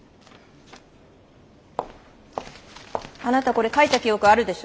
あなたこれ書いた記憶あるでしょ？